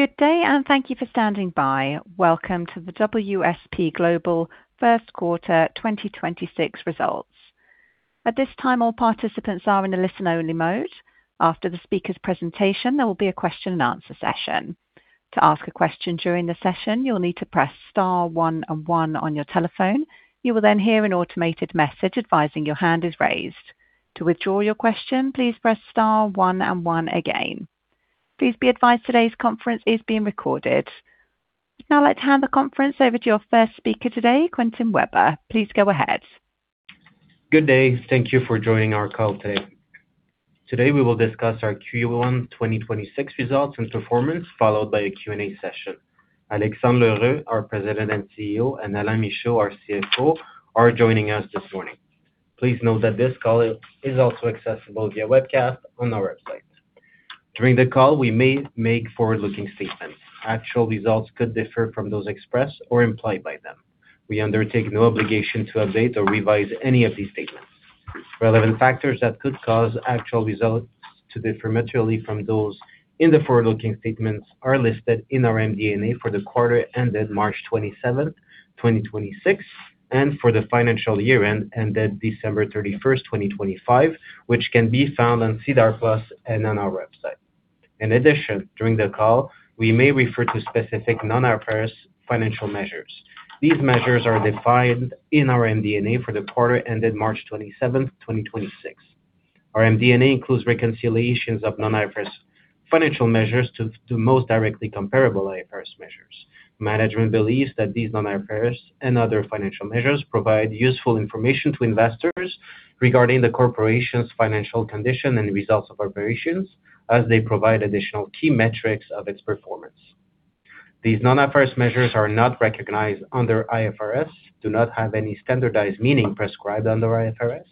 Good day, and thank you for standing by. Welcome to the WSP Global first quarter 2026 results. At this time, all participants are in a listen-only mode. After the speaker's presentation, there will be a question and answer session. To ask a question during the session, you'll need to press star one one on your telephone. You will then hear an automated message advising your hand is raised. To withdraw your question, please press star one and one again. Please be advised today's conference is being recorded. Now I'd like to hand the conference over to your first speaker today, Quentin Weber. Please go ahead. Good day. Thank you for joining our call today. Today, we will discuss our Q1 2026 results and performance, followed by a Q&A session. Alexandre L'Heureux, our President and CEO, and Alain Michaud, our CFO, are joining us this morning. Please note that this call is also accessible via webcast on our website. During the call, we may make forward-looking statements. Actual results could differ from those expressed or implied by them. We undertake no obligation to update or revise any of these statements. Relevant factors that could cause actual results to differ materially from those in the forward-looking statements are listed in our MD&A for the quarter ended March 27th, 2026, and for the financial year ended December 31st, 2025, which can be found on SEDAR+ and on our website. In addition, during the call, we may refer to specific non-IFRS financial measures. These measures are defined in our MD&A for the quarter ended March 27th, 2026. Our MD&A includes reconciliations of non-IFRS financial measures to most directly comparable IFRS measures. Management believes that these non-IFRS and other financial measures provide useful information to investors regarding the corporation's financial condition and results of operations as they provide additional key metrics of its performance. These non-IFRS measures are not recognized under IFRS, do not have any standardized meaning prescribed under IFRS,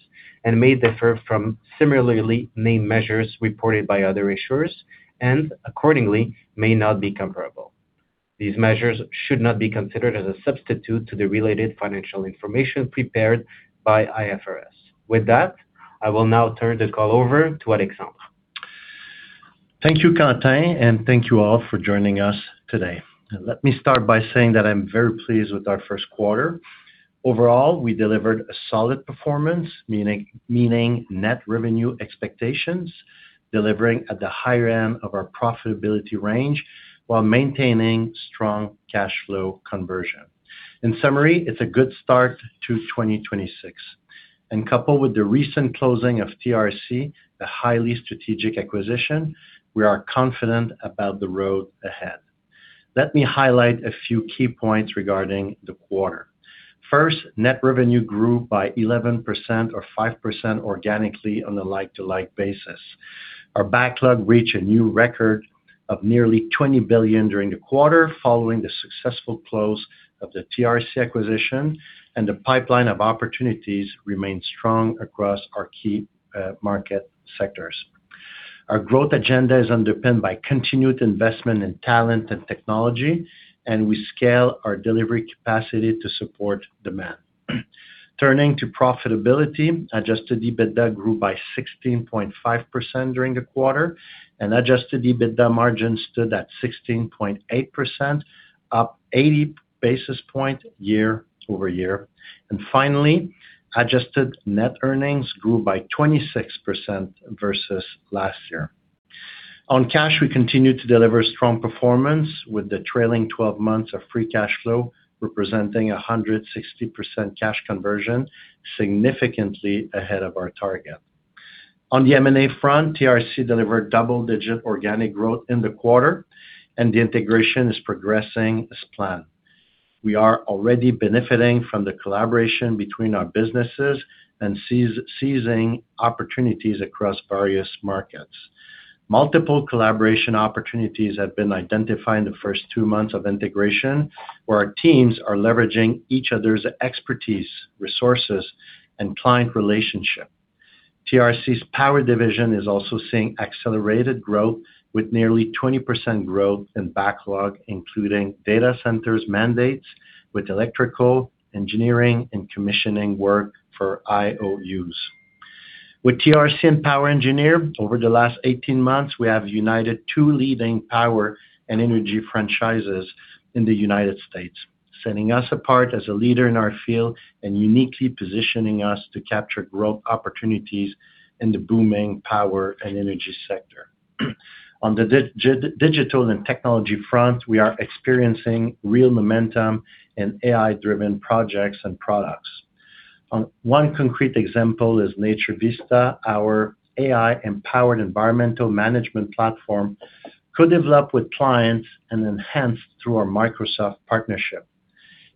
may differ from similarly named measures reported by other issuers, and accordingly, may not be comparable. These measures should not be considered as a substitute to the related financial information prepared by IFRS. With that, I will now turn the call over to Alexandre. Thank you, Quentin, and thank you all for joining us today. Let me start by saying that I'm very pleased with our first quarter. Overall, we delivered a solid performance, meaning net revenue expectations, delivering at the higher end of our profitability range while maintaining strong cash flow conversion. In summary, it's a good start to 2026. Coupled with the recent closing of TRC, a highly strategic acquisition, we are confident about the road ahead. Let me highlight a few key points regarding the quarter. First, net revenue grew by 11% or 5% organically on a like-to-like basis. Our backlog reached a new record of nearly 20 billion during the quarter following the successful close of the TRC acquisition, and the pipeline of opportunities remains strong across our key market sectors. Our growth agenda is underpinned by continued investment in talent and technology. We scale our delivery capacity to support demand. Turning to profitability, adjusted EBITDA grew by 16.5% during the quarter. Adjusted EBITDA margin stood at 16.8%, up 80 basis points year-over-year. Finally, adjusted net earnings grew by 26% versus last year. On cash, we continued to deliver strong performance with the trailing 12 months of free cash flow, representing 160% cash conversion, significantly ahead of our target. On the M&A front, TRC delivered double-digit organic growth in the quarter. The integration is progressing as planned. We are already benefiting from the collaboration between our businesses and seizing opportunities across various markets. Multiple collaboration opportunities have been identified in the first 2 months of integration, where our teams are leveraging each other's expertise, resources, and client relationship. TRC's Power division is also seeing accelerated growth with nearly 20% growth in backlog, including data centers mandates with electrical engineering and commissioning work for IOUs. With TRC and POWER Engineers, over the last 18 months, we have united two leading power and energy franchises in the U.S., setting us apart as a leader in our field and uniquely positioning us to capture growth opportunities in the booming power and energy sector. On the digital and technology front, we are experiencing real momentum in AI-driven projects and products. One concrete example is Nature Vista, our AI-empowered environmental management platform, co-developed with clients and enhanced through our Microsoft partnership.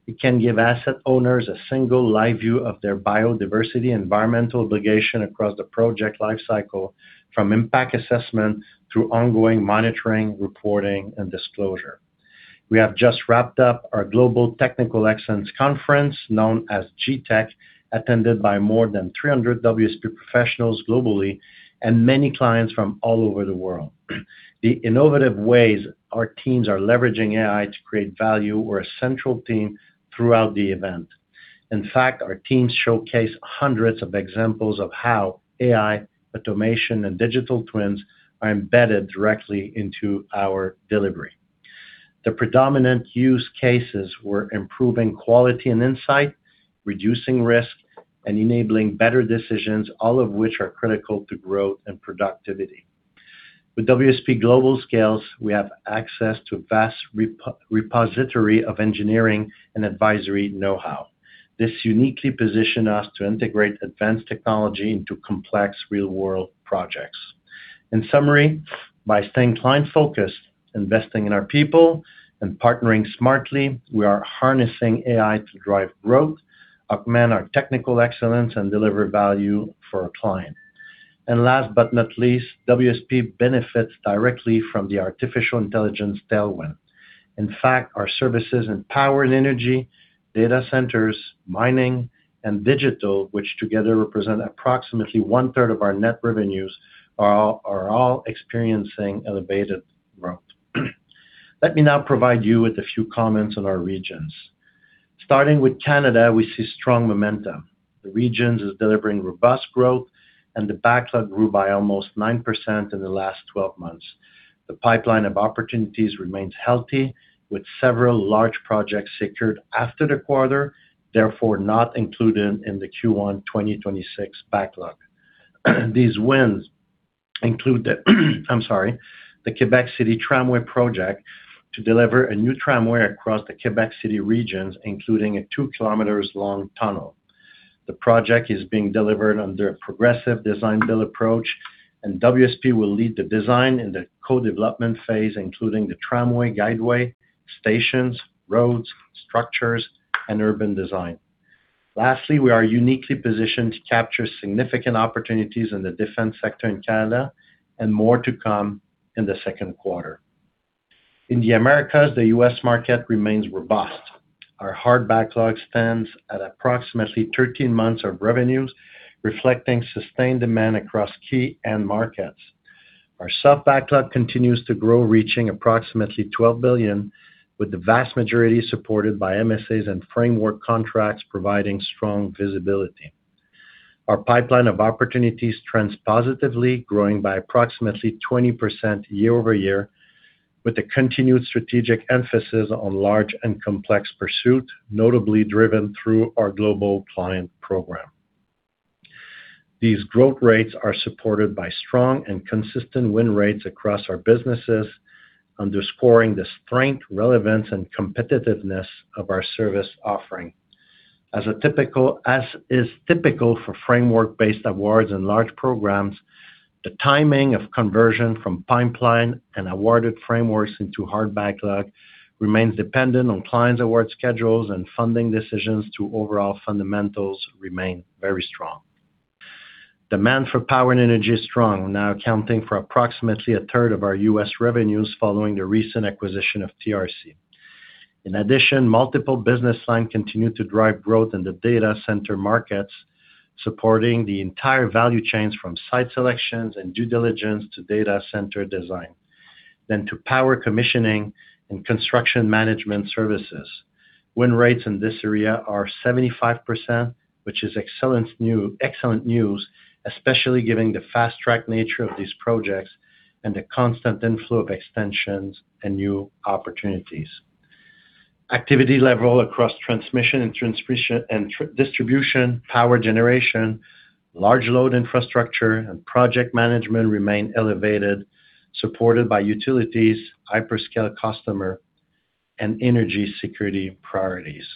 It can give asset owners a single live view of their biodiversity environmental obligation across the project lifecycle, from impact assessment through ongoing monitoring, reporting, and disclosure. We have just wrapped up our Global Technical Excellence Conference, known as GTEC, attended by more than 300 WSP professionals globally and many clients from all over the world. The innovative ways our teams are leveraging AI to create value were a central theme throughout the event. In fact, our teams showcased hundreds of examples of how AI, automation, and digital twins are embedded directly into our delivery. The predominant use cases were improving quality and insight, reducing risk, and enabling better decisions, all of which are critical to growth and productivity. With WSP Global scales, we have access to a vast repository of engineering and advisory know-how. This uniquely position us to integrate advanced technology into complex real-world projects. In summary, by staying client-focused, investing in our people, and partnering smartly, we are harnessing AI to drive growth, augment our technical excellence, and deliver value for our client. Last but not least, WSP benefits directly from the artificial intelligence tailwind. In fact, our services in power and energy, data centers, mining, and digital, which together represent approximately 1/3 of our net revenues, are all experiencing elevated growth. Let me now provide you with a few comments on our regions. Starting with Canada, we see strong momentum. The regions is delivering robust growth, and the backlog grew by almost 9% in the last 12 months. The pipeline of opportunities remains healthy, with several large projects secured after the quarter, therefore not included in the Q1 2026 backlog. These wins include the, I'm sorry, the Québec City Tramway project to deliver a new tramway across the Québec City regions, including a 2km long tunnel. The project is being delivered under a progressive design build approach, and WSP will lead the design in the co-development phase, including the tramway, guideway, stations, roads, structures, and urban design. Lastly, we are uniquely positioned to capture significant opportunities in the defense sector in Canada and more to come in the second quarter. In the Americas, the U.S. market remains robust. Our hard backlog stands at approximately 13 months of revenues, reflecting sustained demand across key end markets. Our soft backlog continues to grow, reaching approximately 12 billion, with the vast majority supported by MSAs and framework contracts providing strong visibility. Our pipeline of opportunities trends positively, growing by approximately 20% year-over-year, with a continued strategic emphasis on large and complex pursuit, notably driven through our Global Client Program. These growth rates are supported by strong and consistent win rates across our businesses, underscoring the strength, relevance, and competitiveness of our service offering. As is typical for framework-based awards and large programs, the timing of conversion from pipeline and awarded frameworks into hard backlog remains dependent on clients' award schedules and funding decisions to overall fundamentals remain very strong. Demand for power and energy is strong, now accounting for approximately 1/3 of our U.S. revenues following the recent acquisition of TRC. Multiple business lines continue to drive growth in the data center markets, supporting the entire value chains from site selections and due diligence to data center design. To power commissioning and construction management services. Win rates in this area are 75%, which is excellent news, especially given the fast-track nature of these projects and the constant inflow of extensions and new opportunities. Activity level across transmission and distribution, power generation, large load infrastructure, and project management remain elevated, supported by utilities, hyperscale customer, and energy security priorities.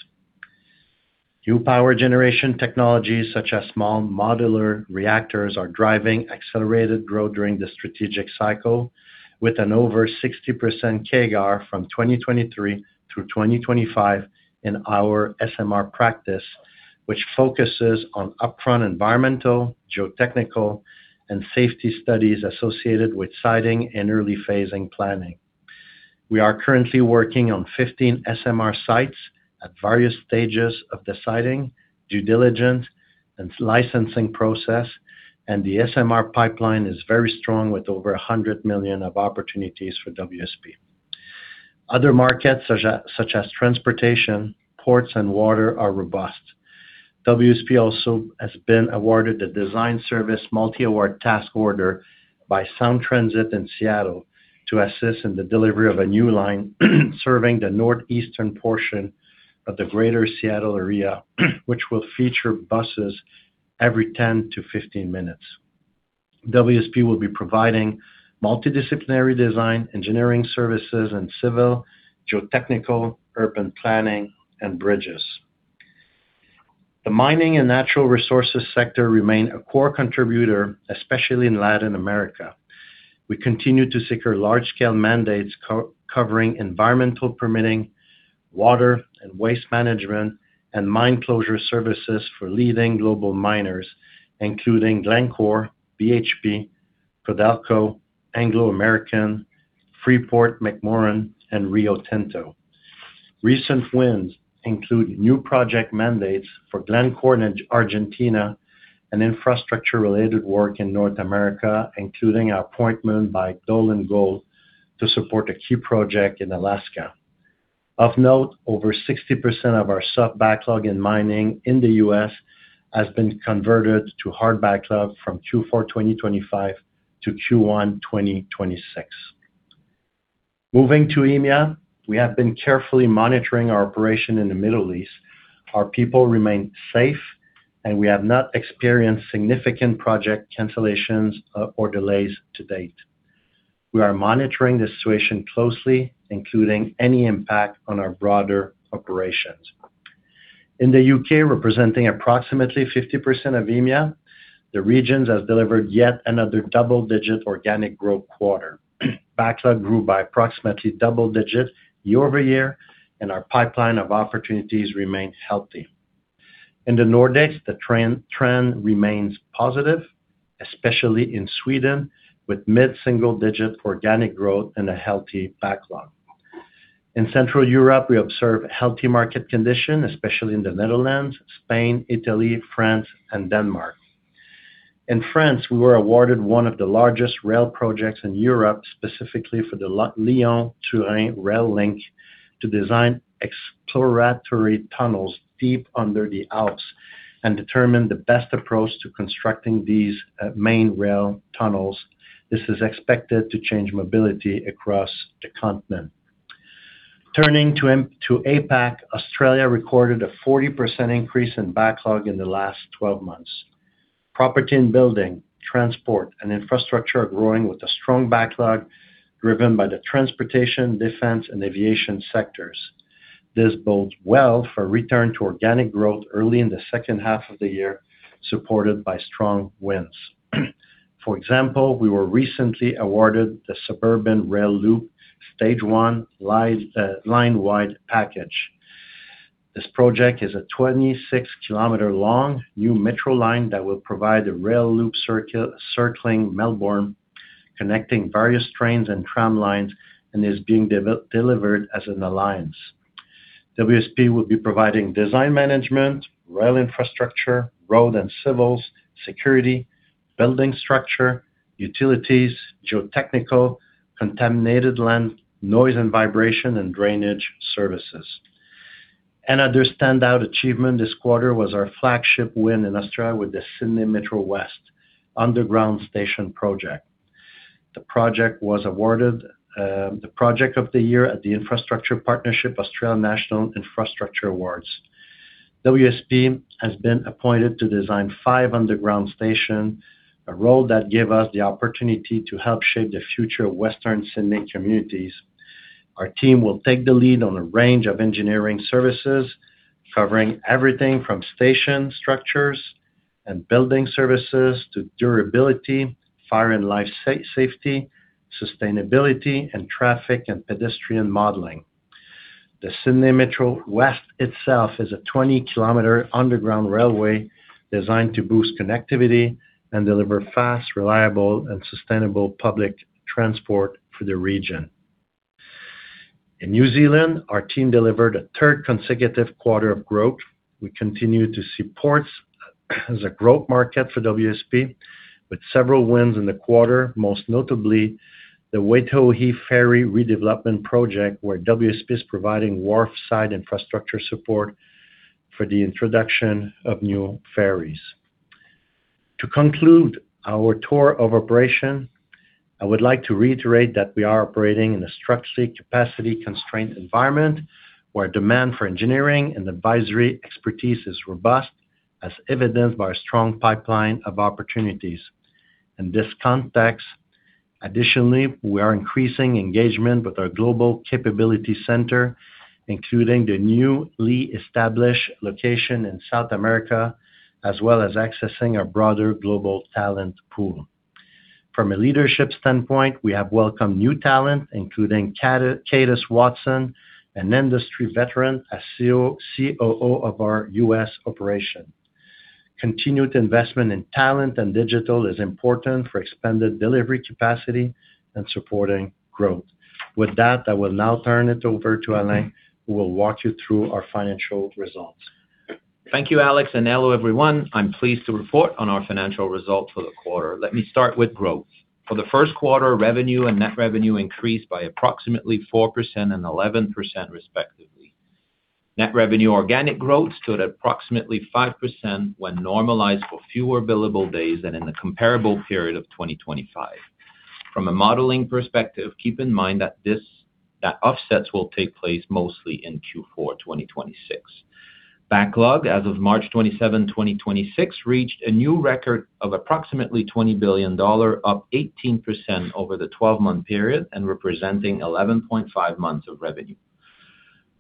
New power generation technologies such as small modular reactors are driving accelerated growth during the strategic cycle with an over 60% CAGR from 2023 through 2025 in our SMR practice, which focuses on upfront environmental, geotechnical, and safety studies associated with siting and early phasing planning. We are currently working on 15 SMR sites at various stages of the siting, due diligence, and licensing process, and the SMR pipeline is very strong with over 100 million of opportunities for WSP. Other markets such as transportation, ports, and water are robust. WSP also has been awarded the design service multi-award task order by Sound Transit in Seattle to assist in the delivery of a new line serving the northeastern portion of the Greater Seattle area, which will feature buses every 10-15 minutes. WSP will be providing multidisciplinary design, engineering services, and civil, geotechnical, urban planning, and bridges. The mining and natural resources sector remain a core contributor, especially in Latin America. We continue to secure large-scale mandates covering environmental permitting, water and waste management, and mine closure services for leading global miners, including Glencore, BHP, Codelco, Anglo American, Freeport-McMoRan, and Rio Tinto. Recent wins include new project mandates for Glencore in Argentina and infrastructure-related work in North America, including our appointment by Donlin Gold to support a key project in Alaska. Of note, over 60% of our soft backlog in mining in the U.S. has been converted to hard backlog from Q4 2025 to Q1 2026. Moving to EMEA, we have been carefully monitoring our operation in the Middle East. Our people remain safe, and we have not experienced significant project cancellations or delays to date. We are monitoring the situation closely, including any impact on our broader operations. In the U.K., representing approximately 50% of EMEA, the regions has delivered yet another double-digit organic growth quarter. Backlog grew by approximately double digits year-over-year, and our pipeline of opportunities remains healthy. In the Nordics, the trend remains positive, especially in Sweden, with mid-single-digit organic growth and a healthy backlog. In Central Europe, we observe healthy market conditions, especially in the Netherlands, Spain, Italy, France and Denmark. In France, we were awarded one of the largest rail projects in Europe, specifically for the Lyon-Turin rail link, to design exploratory tunnels deep under the Alps and determine the best approach to constructing these main rail tunnels. This is expected to change mobility across the continent. Turning to APAC, Australia recorded a 40% increase in backlog in the last 12 months. Property and Building, Transport and Infrastructure are growing with a strong backlog driven by the Transportation, Defense and Aviation sectors. This bodes well for return to organic growth early in the second half of the year, supported by strong wins. For example, we were recently awarded the Suburban Rail Loop Stage 1 live, line wide package. This project is a 26km long new metro line that will provide a rail loop circle, circling Melbourne, connecting various trains and tram lines and is being delivered as an alliance. WSP will be providing design management, rail infrastructure, road and civils, security, building structure, utilities, geotechnical, contaminated land, noise and vibration and drainage services. Another standout achievement this quarter was our flagship win in Australia with the Sydney Metro West underground station project. The project was awarded the project of the year at the Infrastructure Partnerships Australia National Infrastructure Awards. WSP has been appointed to design 5 underground station, a role that gave us the opportunity to help shape the future of Western Sydney communities. Our team will take the lead on a range of engineering services, covering everything from station structures and building services to durability, fire and life safety, sustainability and traffic and pedestrian modeling. The Sydney Metro West itself is a 20km underground railway designed to boost connectivity and deliver fast, reliable and sustainable public transport for the region. In New Zealand, our team delivered 1/3 consecutive quarter of growth. We continue to see ports as a growth market for WSP with several wins in the quarter, most notably the Waiheke Ferry redevelopment project, where WSP is providing wharf side infrastructure support for the introduction of new ferries. To conclude our tour of operation, I would like to reiterate that we are operating in a structurally capacity constrained environment where demand for engineering and advisory expertise is robust, as evidenced by a strong pipeline of opportunities. In this context, additionally, we are increasing engagement with our global capability center, including the newly established location in South America, as well as accessing our broader global talent pool. From a leadership standpoint, we have welcomed new talent, including Katus Watson, an industry veteran, as COO of our U.S. operation. Continued investment in talent and digital is important for expanded delivery capacity and supporting growth. With that, I will now turn it over to Alain, who will walk you through our financial results. Thank you, Alex, and hello, everyone. I'm pleased to report on our financial results for the quarter. Let me start with growth. For the first quarter, revenue and net revenue increased by approximately 4% and 11%, respectively. Net revenue organic growth stood at approximately 5% when normalized for fewer billable days than in the comparable period of 2025. From a modeling perspective, keep in mind that offsets will take place mostly in Q4 2026. Backlog as of March 27, 2026, reached a new record of approximately 20 billion dollar, up 18% over the 12-month period and representing 11.5 months of revenue.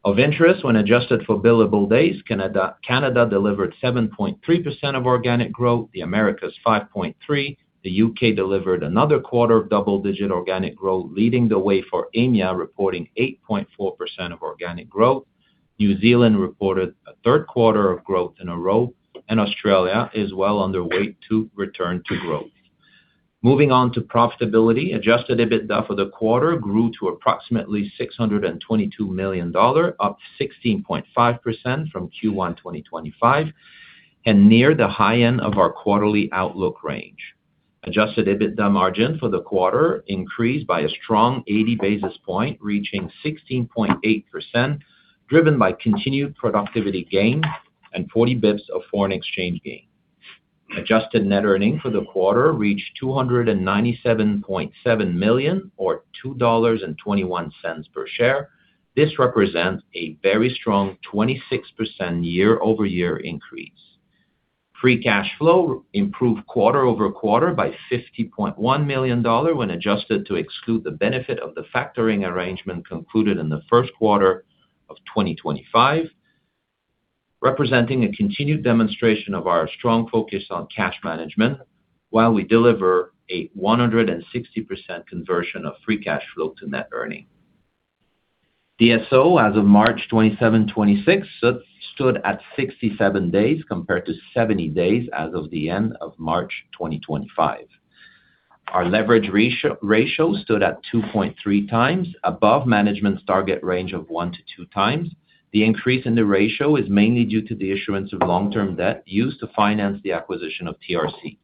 Of interest, when adjusted for billable days, Canada delivered 7.3% of organic growth. The Americas, 5.3%. The U.K. delivered another quarter of double-digit organic growth, leading the way for EMEA, reporting 8.4% of organic growth. New Zealand reported 1/3 quarter of growth in a row, and Australia is well on their way to return to growth. Moving on to profitability. Adjusted EBITDA for the quarter grew to approximately 622 million dollar, up 16.5% from Q1 2025, and near the high end of our quarterly outlook range. Adjusted EBITDA margin for the quarter increased by a strong 80 basis points, reaching 16.8%, driven by continued productivity gains and 40 basis points of foreign exchange gain. Adjusted net earnings for the quarter reached 297.7 million or 2.21 dollars per share. This represents a very strong 26% year-over-year increase. Free cash flow improved quarter-over-quarter by 50.1 million dollar when adjusted to exclude the benefit of the factoring arrangement concluded in the first quarter of 2025, representing a continued demonstration of our strong focus on cash management while we deliver a 160% conversion of free cash flow to net earning. DSO as of March 27, 2026 stood at 67 days compared to 70 days as of the end of March 2025. Our leverage ratio stood at 2.3x, above management's target range of 1-2x. The increase in the ratio is mainly due to the issuance of long-term debt used to finance the acquisition of TRC.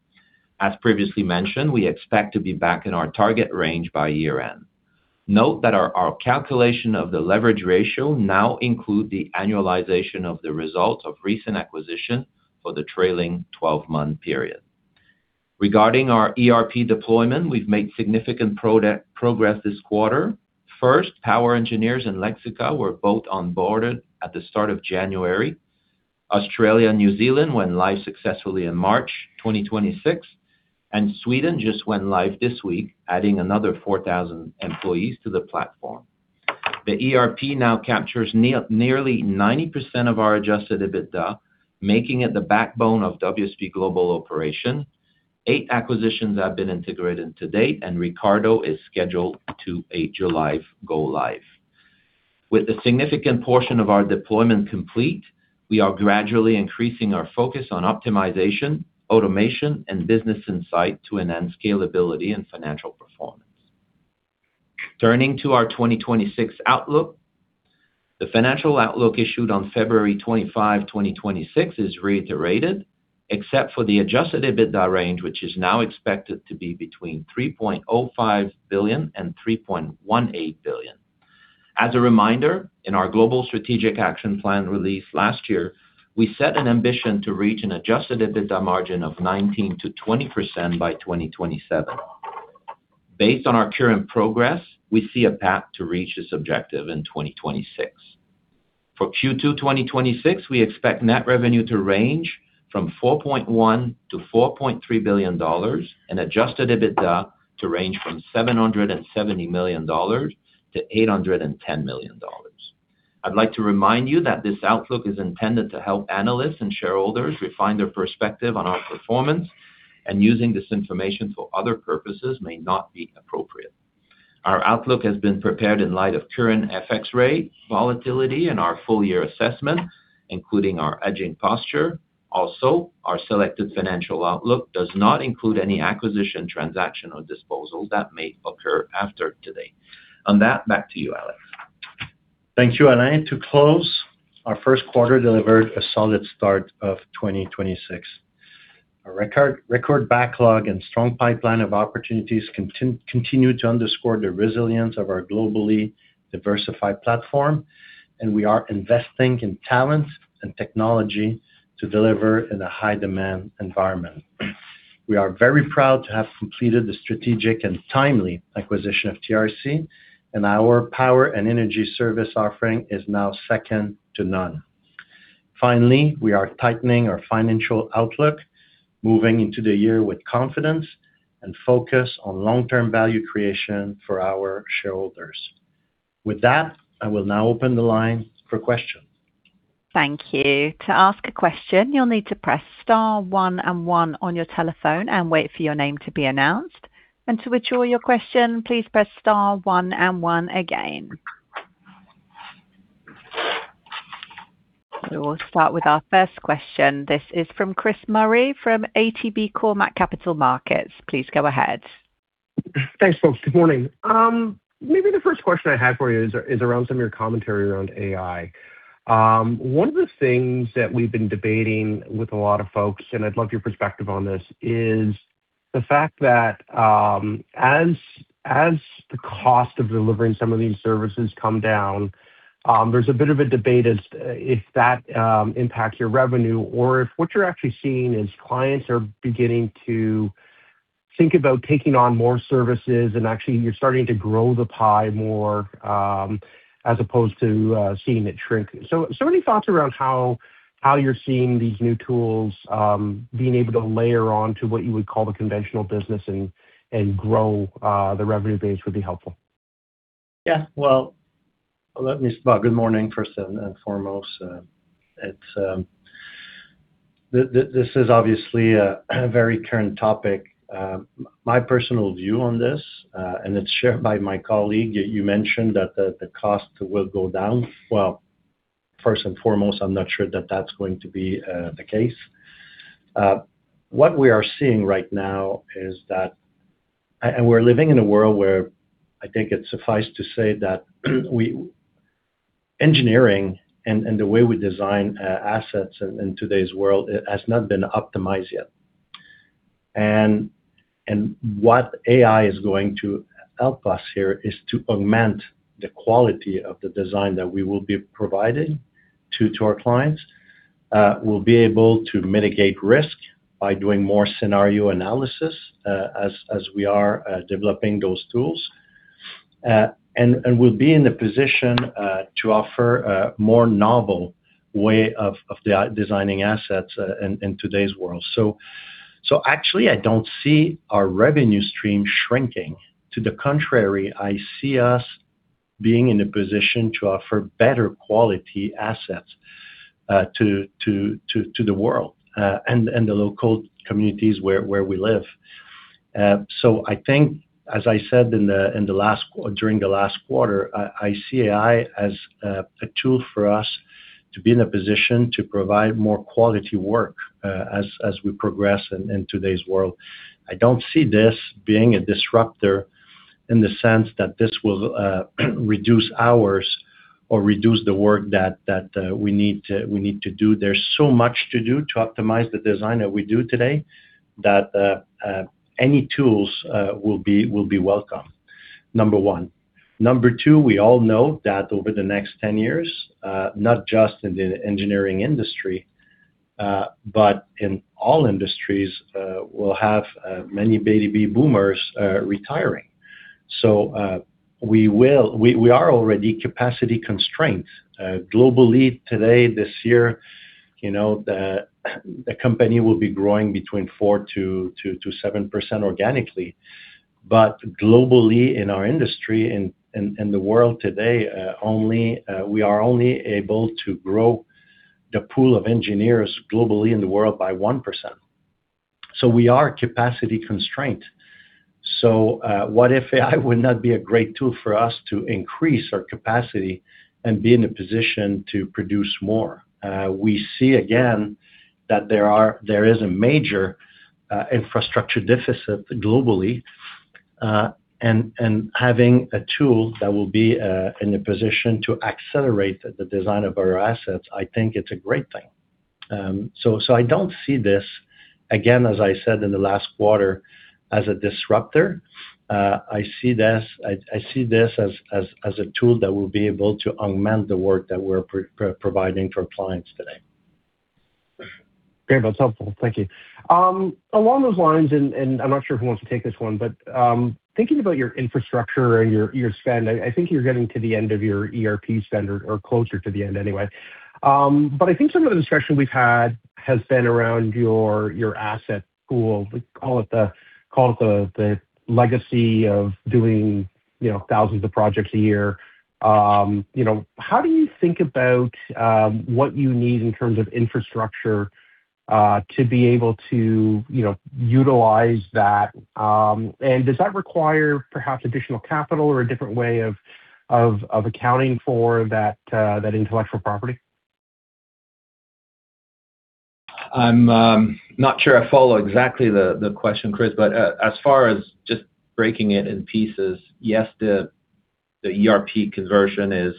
As previously mentioned, we expect to be back in our target range by year-end. Our calculation of the leverage ratio now include the annualization of the results of recent acquisition for the trailing 12-month period. Regarding our ERP deployment, we've made significant progress this quarter. First, POWER Engineers and Lexica were both onboarded at the start of January. Australia and New Zealand went live successfully in March 2026, and Sweden just went live this week, adding another 4,000 employees to the platform. The ERP now captures nearly 90% of our adjusted EBITDA, making it the backbone of WSP Global operation. Eight acquisitions have been integrated to date, and Ricardo is scheduled to a July go live. With a significant portion of our deployment complete, we are gradually increasing our focus on optimization, automation, and business insight to enhance scalability and financial performance. Turning to our 2026 outlook. The financial outlook issued on February 25, 2026 is reiterated, except for the adjusted EBITDA range, which is now expected to be between 3.05 billion and 3.18 billion. As a reminder, in our global strategic action plan released last year, we set an ambition to reach an adjusted EBITDA margin of 19%-20% by 2027. Based on our current progress, we see a path to reach this objective in 2026. For Q2 2026, we expect net revenue to range from 4.1 billion-4.3 billion dollars and adjusted EBITDA to range from 770 million-810 million dollars. I'd like to remind you that this outlook is intended to help analysts and shareholders refine their perspective on our performance, and using this information for other purposes may not be appropriate. Our outlook has been prepared in light of current FX rate volatility and our full-year assessment, including our hedging posture. Also, our selected financial outlook does not include any acquisition, transaction or disposal that may occur after today. On that, back to you, Alex. Thank you, Alain. To close, our first quarter delivered a solid start of 2026. A record backlog and strong pipeline of opportunities continue to underscore the resilience of our globally diversified platform, and we are investing in talent and technology to deliver in a high-demand environment. We are very proud to have completed the strategic and timely acquisition of TRC, and our power and energy service offering is now second to none. Finally, we are tightening our financial outlook, moving into the year with confidence and focus on long-term value creation for our shareholders. With that, I will now open the line for questions. Thank you. To ask a question, you'll need to press star one and one on your telephone and wait for your name to be announced. To withdraw your question, please press star one and one again. We'll start with our first question. This is from Chris Murray from ATB Cormark Capital Markets. Please go ahead. Thanks, folks. Good morning. Maybe the first question I had for you is around some of your commentary around AI. One of the things that we've been debating with a lot of folks, and I'd love your perspective on this, is the fact that as the cost of delivering some of these services come down, there's a bit of a debate as to if that impacts your revenue or if what you're actually seeing is clients are beginning to think about taking on more services and actually you're starting to grow the pie more as opposed to seeing it shrink. Any thoughts around how you're seeing these new tools being able to layer on to what you would call the conventional business and grow the revenue base would be helpful. Yeah. Well, let me start. Good morning, first and foremost. It's, this is obviously a very current topic. My personal view on this, and it's shared by my colleague, you mentioned that the cost will go down. Well, first and foremost, I'm not sure that that's going to be the case. What we are seeing right now is that we're living in a world where I think it's suffice to say that Engineering and the way we design assets in today's world has not been optimized yet. What AI is going to help us here is to augment the quality of the design that we will be providing to our clients. We'll be able to mitigate risk by doing more scenario analysis as we are developing those tools. We'll be in a position to offer a more novel way of designing assets in today's world. Actually I don't see our revenue stream shrinking. To the contrary, I see us being in a position to offer better quality assets to the world and the local communities where we live. I think, as I said in the last quarter, I see AI as a tool for us to be in a position to provide more quality work as we progress in today's world. I don't see this being a disruptor in the sense that this will reduce hours or reduce the work that we need to do. There's so much to do to optimize the design that we do today that any tools will be welcome, number one. Number two, we all know that over the next 10 years, not just in the engineering industry, but in all industries, we'll have many baby boomers retiring. We are already capacity constrained. Globally today, this year, you know, the company will be growing between 4%-7% organically. Globally in our industry and the world today, We are only able to grow the pool of engineers globally in the world by 1%. We are capacity constrained. What if AI would not be a great tool for us to increase our capacity and be in a position to produce more? We see again that there is a major infrastructure deficit globally, having a tool that will be in a position to accelerate the design of our assets, I think it's a great thing. I don't see this, again, as I said in the last quarter, as a disruptor. I see this as a tool that will be able to augment the work that we're providing for our clients today. Great. That's helpful. Thank you. Along those lines, and I'm not sure who wants to take this one, but thinking about your infrastructure and your spend, I think you're getting to the end of your ERP spend or closer to the end anyway. But I think some of the discussion we've had has been around your asset pool. We call it the legacy of doing, you know, thousands of projects a year. You know, how do you think about what you need in terms of infrastructure to be able to, you know, utilize that? And does that require perhaps additional capital or a different way of accounting for that intellectual property? I'm not sure I follow exactly the question, Chris, but as far as just breaking it in pieces, yes, the ERP conversion is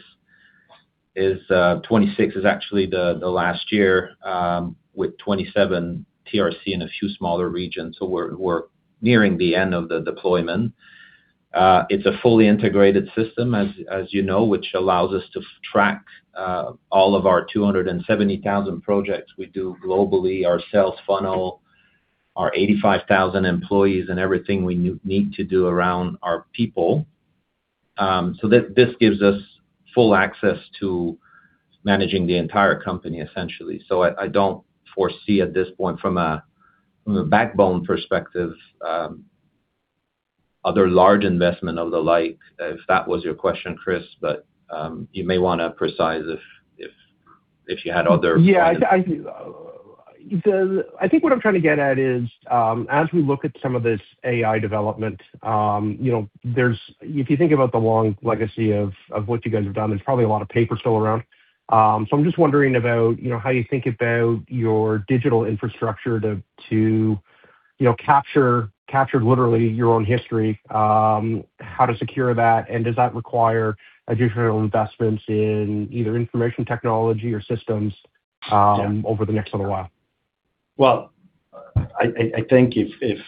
2026 is actually the last year with 2027 TRC in a few smaller regions. We're nearing the end of the deployment. It's a fully integrated system, as you know, which allows us to track all of our 270,000 projects we do globally, our sales funnel, our 85,000 employees and everything we need to do around our people. This gives us full access to managing the entire company, essentially. I don't foresee at this point from a backbone perspective, other large investment of the like, if that was your question, Chris. You may wanna precise if you had other points. I think what I'm trying to get at is, as we look at some of this AI development, you know, there's If you think about the long legacy of what you guys have done, there's probably a lot of paper still around. I'm just wondering about, you know, how you think about your digital infrastructure to, you know, capture literally your own history, how to secure that, and does that require additional investments in either information technology or systems? Yeah. Over the next little while? Well, I think if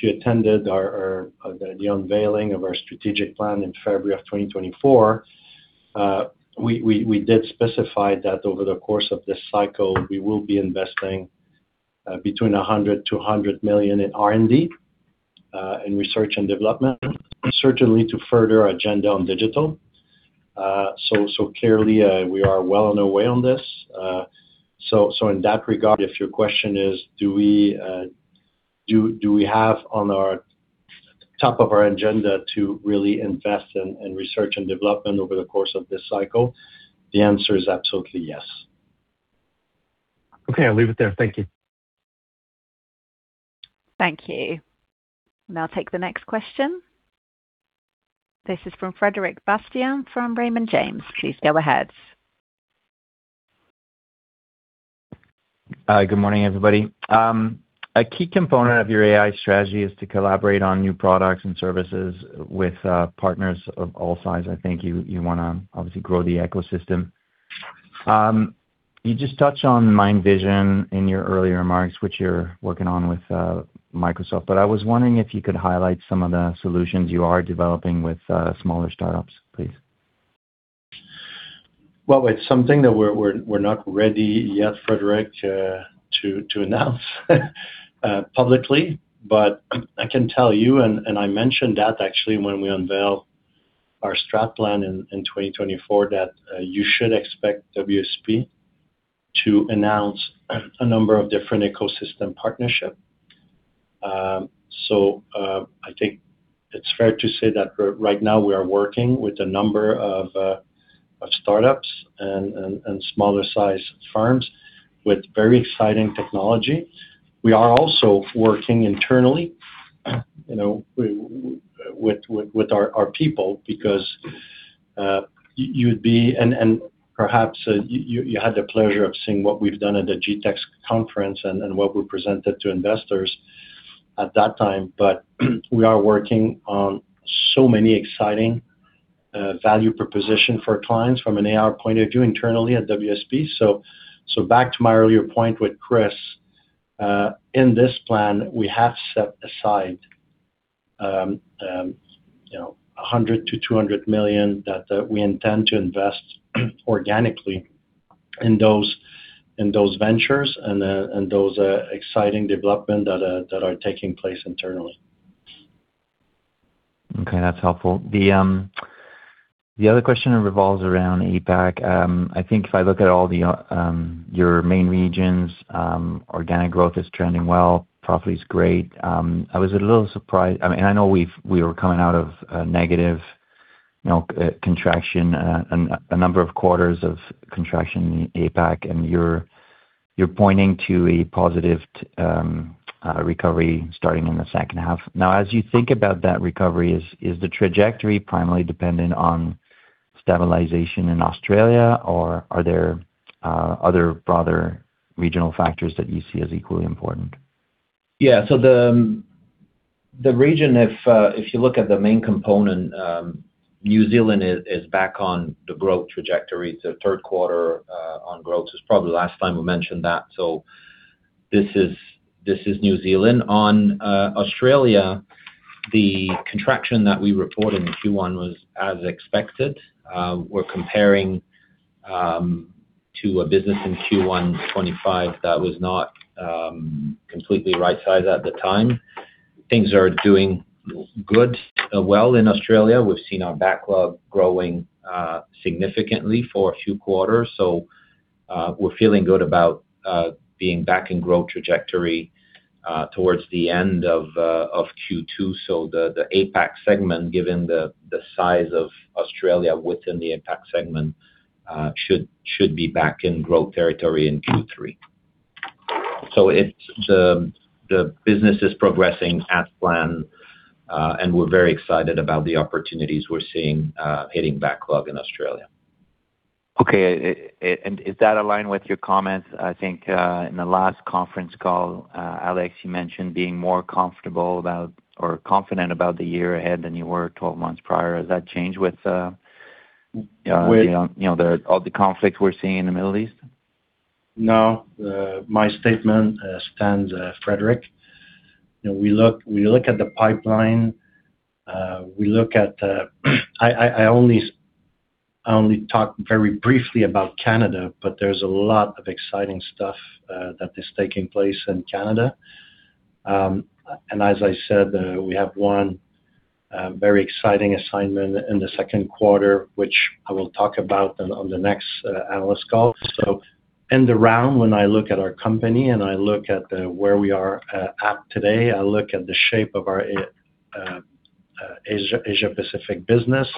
you attended our the unveiling of our strategic plan in February of 2024, we did specify that over the course of this cycle, we will be investing between 100 million-100 million in R&D, in research and development, certainly to further our agenda on digital. Clearly, we are well on our way on this. In that regard, if your question is do we, do we have on our top of our agenda to really invest in research and development over the course of this cycle? The answer is absolutely yes. Okay, I'll leave it there. Thank you. Thank you. I'll take the next question. This is from Frederic Bastien from Raymond James. Please go ahead. Good morning, everybody. A key component of your AI strategy is to collaborate on new products and services with partners of all sides. I think you wanna obviously grow the ecosystem. You just touched on Nature Vista in your earlier remarks, which you're working on with Microsoft. I was wondering if you could highlight some of the solutions you are developing with smaller startups, please. It's something that we're not ready yet, Frédéric, to announce publicly. I can tell you, and I mentioned that actually when we unveiled our strat plan in 2024, that you should expect WSP to announce a number of different ecosystem partnership. I think it's fair to say that right now we are working with a number of startups and smaller size firms with very exciting technology. We are also working internally, you know, with our people because perhaps you had the pleasure of seeing what we've done at the GTEC conference and what we presented to investors at that time. We are working on so many exciting, value proposition for clients from an AR point of view internally at WSP. Back to my earlier point with Chris, in this plan, we have set aside, you know, 100 million-200 million that we intend to invest organically in those ventures and those exciting development that are taking place internally. Okay, that's helpful. The other question revolves around APAC. I think if I look at all the your main regions, organic growth is trending well, profit is great. I was a little surprised I mean, I know we were coming out of a negative, you know, contraction, a number of quarters of contraction in APAC, and you're pointing to a positive recovery starting in the second half. Now, as you think about that recovery, is the trajectory primarily dependent on stabilization in Australia or are there other broader regional factors that you see as equally important? Yeah. The region, if you look at the main component, New Zealand is back on the growth trajectory. The third quarter on growth. It's probably the last time we mentioned that. This is New Zealand. On Australia, the contraction that we reported in Q1 was as expected. We're comparing to a business in Q1 2025 that was not completely right-sized at the time. Things are doing good, well in Australia. We've seen our backlog growing significantly for a few quarters. We're feeling good about being back in growth trajectory towards the end of Q2. The APAC segment, given the size of Australia within the APAC segment, should be back in growth territory in Q3. It's the business is progressing as planned, and we're very excited about the opportunities we're seeing, hitting backlog in Australia. Okay. Does that align with your comments? I think, in the last conference call, Alex, you mentioned being more comfortable about or confident about the year ahead than you were 12 months prior. Has that changed with? With- You know, all the conflicts we're seeing in the Middle East? No. My statement stands, Frederic. You know, we look at the pipeline. We look at, I only talked very briefly about Canada, but there's a lot of exciting stuff that is taking place in Canada. As I said, we have one very exciting assignment in the second quarter, which I will talk about on the next analyst call. End of round, when I look at our company and I look at where we are at today, I look at the shape of our Asia Pacific business.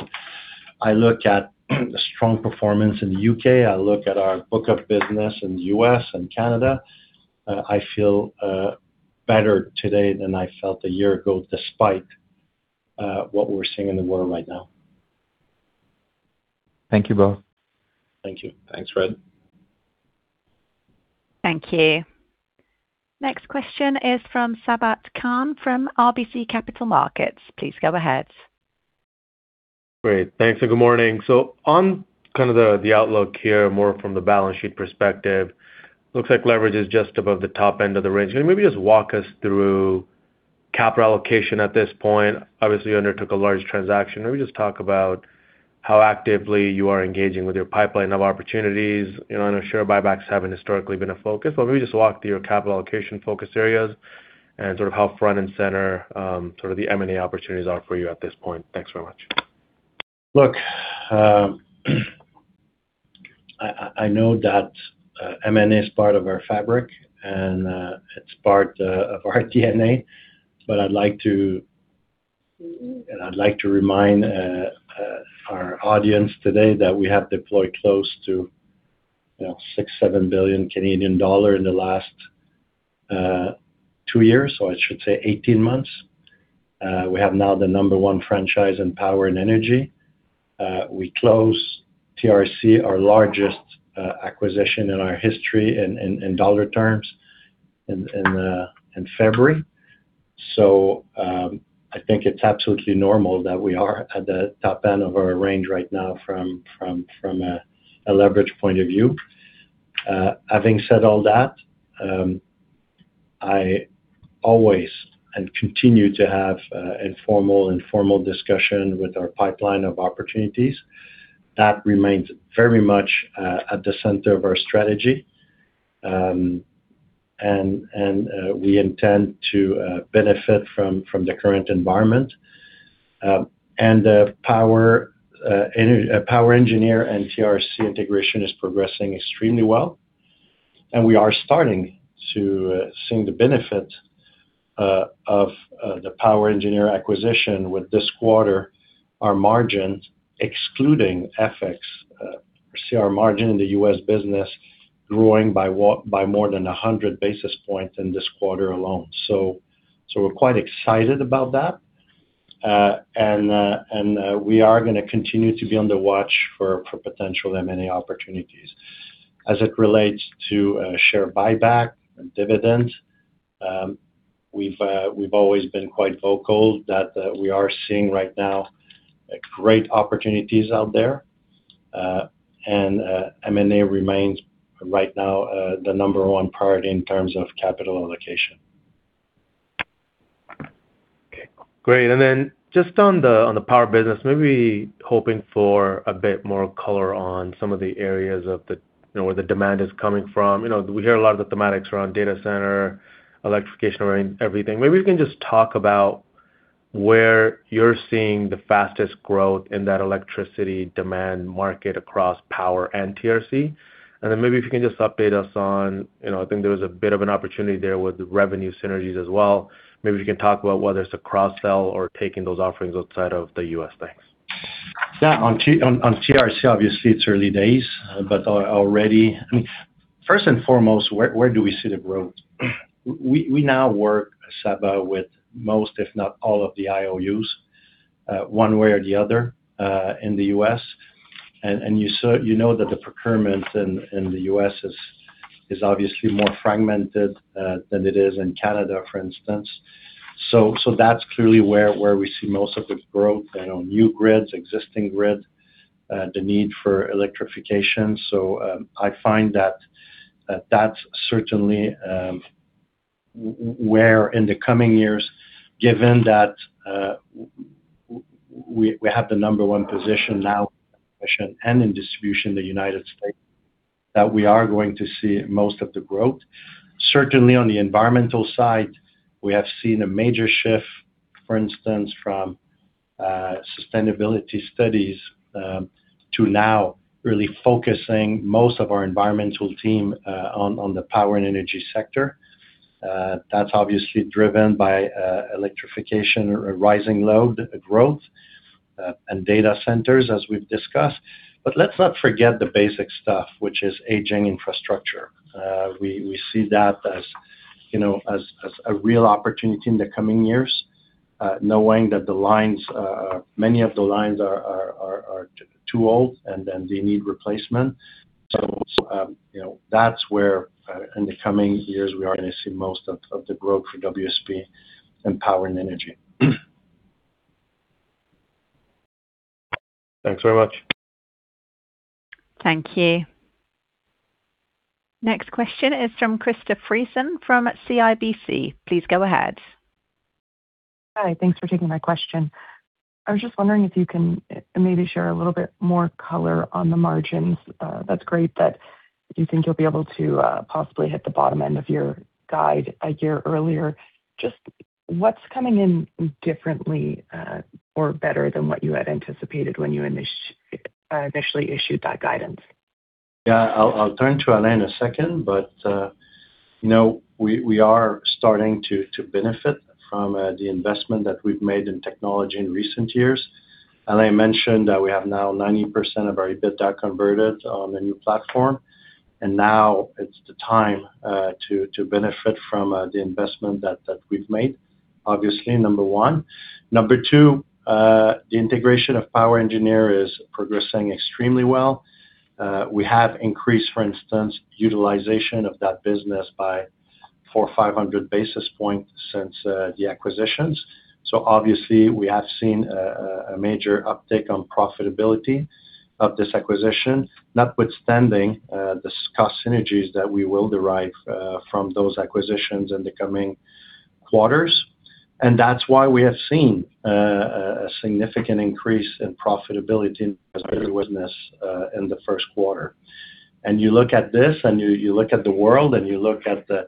I look at the strong performance in the U.K. I look at our book of business in the U.S. and Canada. I feel better today than I felt a year ago, despite what we're seeing in the world right now. Thank you, both. Thank you. Thanks, Fred. Thank you. Next question is from Sabahat Khan from RBC Capital Markets. Please go ahead. Great. Thanks and good morning. On kind of the outlook here, more from the balance sheet perspective, looks like leverage is just above the top end of the range. Can you maybe just walk us through capital allocation at this point? Obviously, you undertook a large transaction. Maybe just talk about how actively you are engaging with your pipeline of opportunities. You know, I'm sure buybacks haven't historically been a focus, but maybe just walk through your capital allocation focus areas and sort of how front and center, sort of the M&A opportunities are for you at this point. Thanks very much. Look, I know that M&A is part of our fabric and it's part of our DNA. I'd like to remind our audience today that we have deployed close to, you know, 6 billion-7 billion Canadian dollar in the last two years, or I should say 18 months. We have now the number one franchise in power and energy. We closed TRC, our largest acquisition in our history in dollar terms in February. I think it's absolutely normal that we are at the top end of our range right now from a leverage point of view. Having said all that, I always and continue to have informal and formal discussion with our pipeline of opportunities. That remains very much at the center of our strategy. We intend to benefit from the current environment. The POWER Engineers and TRC Companies integration is progressing extremely well. We are starting to see the benefit of the POWER Engineers acquisition with this quarter, our margin, excluding FX, we see our margin in the U.S. business growing by more than 100 basis points in this quarter alone. We're quite excited about that. We are gonna continue to be on the watch for potential M&A opportunities. As it relates to share buyback and dividend, we've always been quite vocal that we are seeing right now, like, great opportunities out there. M&A remains right now, the number one priority in terms of capital allocation. Okay, great. Just on the power business, maybe hoping for a bit more color on some of the areas, you know, where the demand is coming from. You know, we hear a lot of the thematics around data center, electrification of everything. Maybe we can just talk about where you're seeing the fastest growth in that electricity demand market across power and TRC. Maybe if you can just update us on, you know, I think there was a bit of an opportunity there with revenue synergies as well. Maybe you can talk about whether it's a cross-sell or taking those offerings outside of the U.S. Thanks. Yeah. On TRC, obviously, it's early days, but already I mean, first and foremost, where do we see the growth? We now work, Saba, with most, if not all, of the IOUs, one way or the other, in the U.S. And you know that the procurement in the U.S. is obviously more fragmented than it is in Canada, for instance. That's clearly where we see most of the growth on new grids, existing grid, the need for electrification. I find that that's certainly where in the coming years, given that we have the number one position now in transmission and in distribution in the United States, that we are going to see most of the growth. Certainly on the environmental side, we have seen a major shift, for instance, from sustainability studies, to now really focusing most of our environmental team on the power and energy sector. That's obviously driven by electrification, rising load growth, and data centers, as we've discussed. Let's not forget the basic stuff, which is aging infrastructure. We see that as, you know, as a real opportunity in the coming years, knowing that the lines, many of the lines are too old and they need replacement. You know, that's where, in the coming years, we are gonna see most of the growth for WSP in power and energy. Thanks very much. Thank you. Next question is from Krista Friesen from CIBC. Please go ahead. Hi. Thanks for taking my question. I was just wondering if you can maybe share a little bit more color on the margins. That's great that you think you'll be able to possibly hit the bottom end of your guide a year earlier. Just what's coming in differently or better than what you had anticipated when you initially issued that guidance? Yeah. I'll turn to Alain in a second, you know, we are starting to benefit from the investment that we've made in technology in recent years. Alain mentioned that we have now 90% of our EBITDA converted on the new platform, now it's the time to benefit from the investment that we've made, obviously, number one. Number two, the integration of POWER Engineers is progressing extremely well. We have increased, for instance, utilization of that business by 400 or 500 basis points since the acquisitions. Obviously, we have seen a major uptick on profitability of this acquisition, notwithstanding the cost synergies that we will derive from those acquisitions in the coming quarters. That's why we have seen a significant increase in profitability in this business, in the first quarter. You look at this, and you look at the world, and you look at the,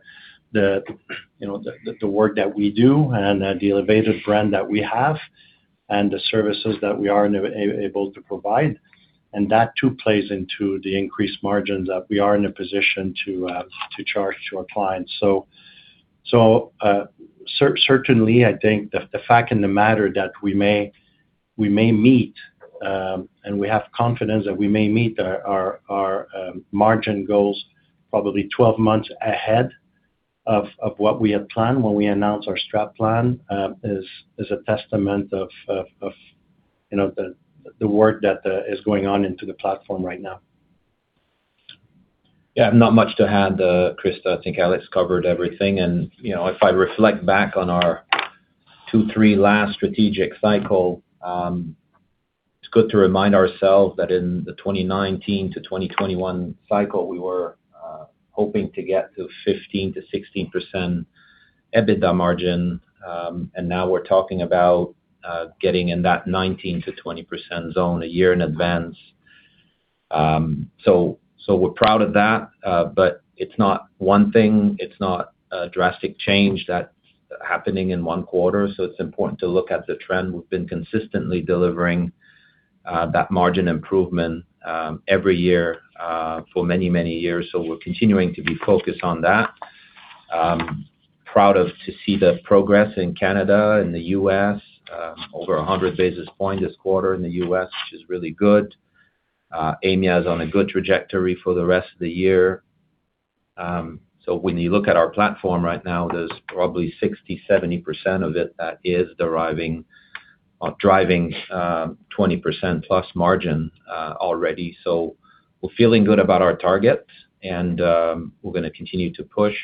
you know, the work that we do and the elevated brand that we have and the services that we are now able to provide, and that too plays into the increased margins that we are in a position to charge to our clients. Certainly, I think the fact of the matter that we may meet, and we have confidence that we may meet our margin goals probably 12 months ahead of what we had planned when we announced our STRAT plan, is a testament of, you know, the work that is going on into the platform right now. Yeah. Not much to add, Krista. I think Alex covered everything. You know, if I reflect back on our two, three last strategic cycle, it's good to remind ourselves that in the 2019 to 2021 cycle, we were hoping to get to 15%-16% EBITDA margin. Now we're talking about getting in that 19%-20% zone a year in advance. We're proud of that. It's not one thing. It's not a drastic change that's happening in one quarter. It's important to look at the trend. We've been consistently delivering that margin improvement, every year, for many, many years. We're continuing to be focused on that. Proud of to see the progress in Canada and the U.S., over 100 basis points this quarter in the U.S., which is really good. EMEA is on a good trajectory for the rest of the year. When you look at our platform right now, there's probably 60%, 70% of it that is deriving or driving, 20%+ margin already. We're feeling good about our targets, and we're gonna continue to push.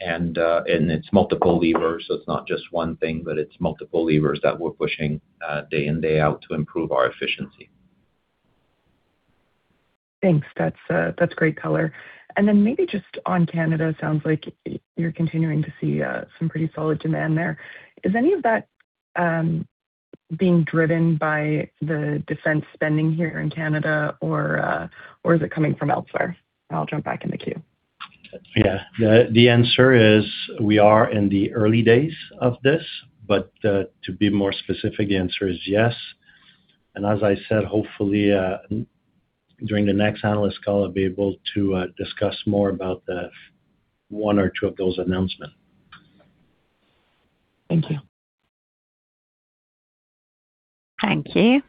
It's multiple levers, it's not just one thing, but it's multiple levers that we're pushing day in, day out to improve our efficiency. Thanks. That's great color. Maybe just on Canada, it sounds like you're continuing to see some pretty solid demand there. Is any of that being driven by the defense spending here in Canada or is it coming from elsewhere? I'll jump back in the queue. Yeah. The answer is we are in the early days of this. To be more specific, the answer is yes. As I said, hopefully, during the next analyst call, I'll be able to discuss more about the one or two of those announcement. Thank you. Thank you.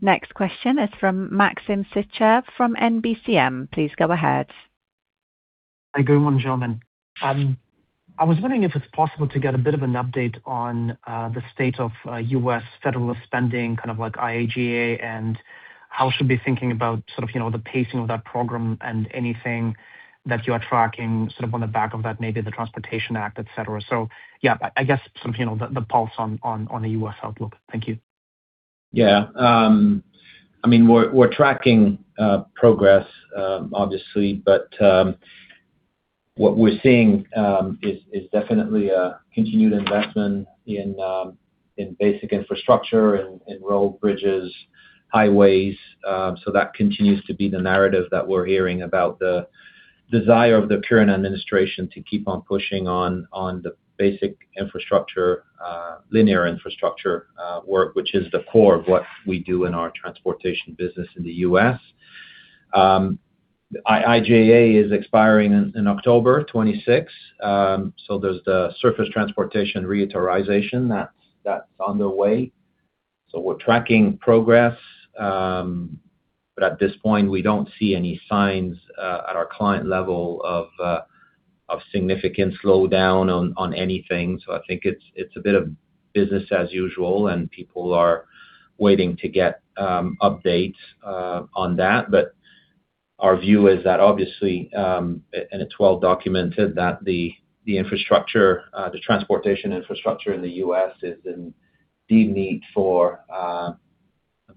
Next question is from Maxim Sytchev from NBCM. Please go ahead. Good morning, gentlemen. I was wondering if it's possible to get a bit of an update on the state of U.S. federal spending, kind of like IIJA, and how we should be thinking about sort of, you know, the pacing of that program and anything that you are tracking sort of on the back of that, maybe the Transportation Act, et cetera. Yeah, I guess some, you know, the pulse on the U.S. outlook. Thank you. Yeah. I mean, we're tracking progress, obviously, but what we're seeing is definitely a continued investment in basic infrastructure, in road bridges, highways. That continues to be the narrative that we're hearing about the desire of the current administration to keep on pushing on the basic infrastructure, linear infrastructure work, which is the core of what we do in our transportation business in the U.S. IIJA is expiring in October 2026. There's the Surface Transportation Reauthorization that's underway. We're tracking progress. At this point, we don't see any signs at our client level of significant slowdown on anything. I think it's a bit of business as usual, and people are waiting to get updates on that. Our view is that obviously, and it's well documented, that the infrastructure, the transportation infrastructure in the U.S. is in deep need for a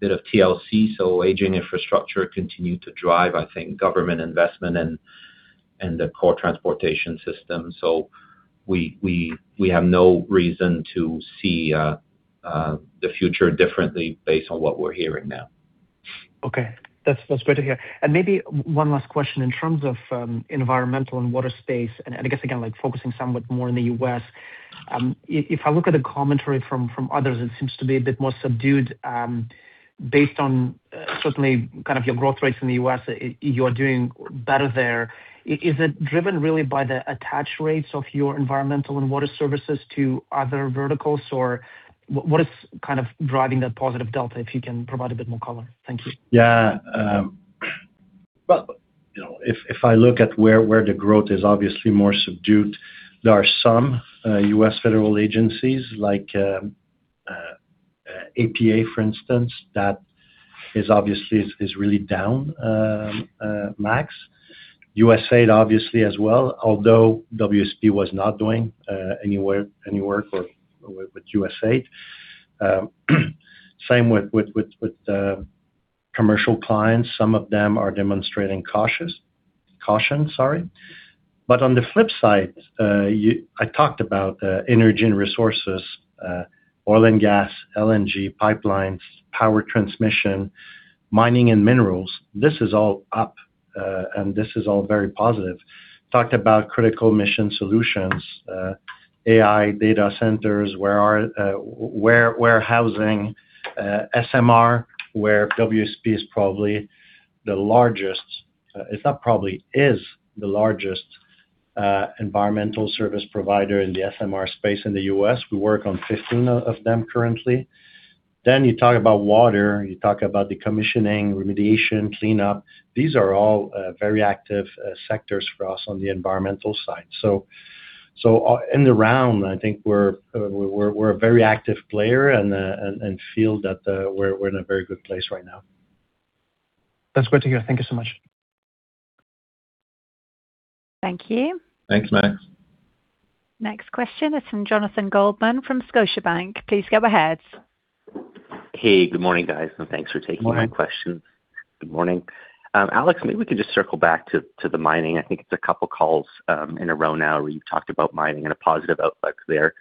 bit of TLC. Aging infrastructure continue to drive, I think, government investment and the core transportation system. We have no reason to see the future differently based on what we're hearing now. Okay. That's great to hear. Maybe one last question. In terms of environmental and water space, and I guess again, like focusing somewhat more in the U.S., if I look at the commentary from others, it seems to be a bit more subdued, based on certainly kind of your growth rates in the U.S. You are doing better there. Is it driven really by the attached rates of your environmental and water services to other verticals? Or what is kind of driving that positive delta, if you can provide a bit more color? Thank you. Well, you know, if I look at where the growth is obviously more subdued, there are some U.S. federal agencies like EPA, for instance, that is obviously really down. USAID obviously as well, although WSP was not doing any work with USAID. Same with commercial clients. Some of them are demonstrating caution, sorry. On the flip side, I talked about energy and resources, oil and gas, LNG, pipelines, power transmission, mining and minerals. This is all up, this is all very positive. Talked about critical mission solutions, AI, data centers, warehousing, SMR, where WSP is probably the largest. It's not probably, is the largest environmental service provider in the SMR space in the U.S. We work on 15 of them currently. You talk about water, you talk about decommissioning, remediation, cleanup. These are all very active sectors for us on the environmental side. In the round, I think we're a very active player and feel that we're in a very good place right now. That's great to hear. Thank you so much. Thank you. Thanks, Max. Next question is from Jonathan Goldman from Scotiabank. Please go ahead. Hey, good morning, guys, and thanks for taking my question. Morning. Good morning. Alex, maybe we could just circle back to the mining. I think it's a couple calls in a row now where you've talked about mining and a positive outlook there.